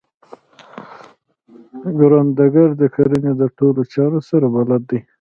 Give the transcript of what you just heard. کروندګر د کرنې د ټولو چارو سره بلد دی